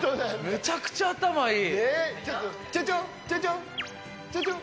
むちゃくちゃ頭いい。